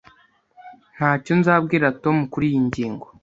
Ntacyo nzabwira Tom kuriyi ngingo.